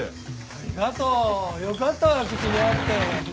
ありがとう。よかったわ口に合って。